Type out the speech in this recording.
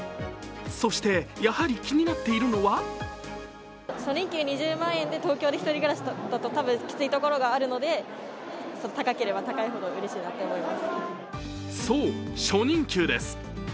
そして、やはり気になっているのはそう、初任給です。